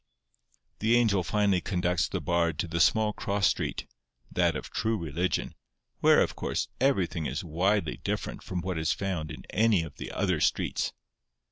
The angel finally conducts the Bard to the small cross street, that of True Religion, where, of course, everything is widely different from what is found in any of the other streets.